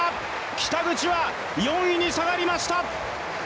北口は４位に下がりました。